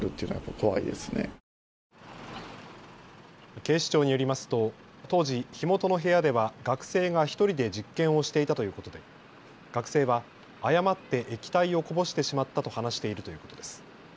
警視庁によりますと当時、火元の部屋では学生が１人で実験をしていたということで学生は誤って液体をこぼしてしまったと話しているということです。